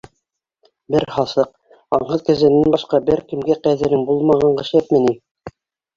Бер һаҫыҡ, аңһыҙ кәзәнән башҡа бер кемгә ҡәҙерең булмағанға шәпме ни?